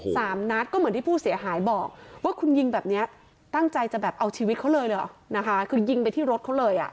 สามนัดก็เหมือนที่ผู้เสียหายบอกว่าคุณยิงแบบเนี้ยตั้งใจจะแบบเอาชีวิตเขาเลยเลยเหรอนะคะคือยิงไปที่รถเขาเลยอ่ะ